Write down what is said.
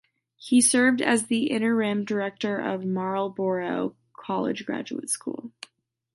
He served as the interim director of the Marlboro College Graduate School.